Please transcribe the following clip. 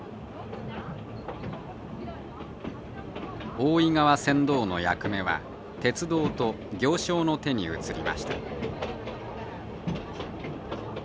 大井川船頭の役目は鉄道と行商の手に移りました。